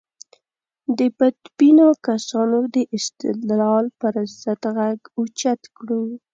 د بدبینو کسانو د استدلال پر ضد غږ اوچت کړو.